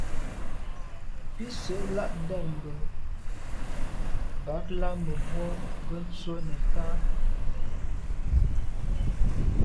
Bì sə̂’ lá’ ndɛ̂mbə̄bɑ̌k lá mə̀bró ŋgə́ tswə́ nə̀tá.